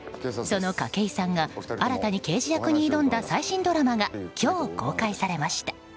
その筧さんが新たに刑事役に挑んだ最新ドラマが今日、公開されました。